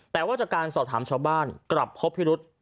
แต่ว่าจากการสอบถามชาวบ้านกลับพบพิรุษ